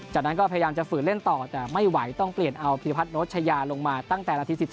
จากนั้นก็พยายามจะฝืนเล่นต่อแต่ไม่ไหวต้องเปลี่ยนเอาพิพัฒนโชชยาลงมาตั้งแต่นาที๑๔